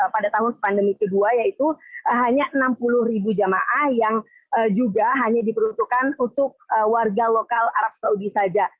pada tahun pandemi kedua yaitu hanya enam puluh ribu jamaah yang juga hanya diperuntukkan untuk warga lokal arab saudi saja